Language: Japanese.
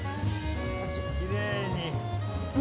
きれいに。